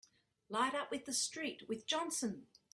Light up with the street with Johnson!